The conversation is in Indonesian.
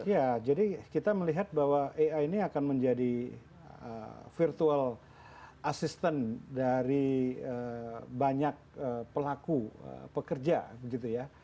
ya jadi kita melihat bahwa ai ini akan menjadi virtual assistant dari banyak pelaku pekerja gitu ya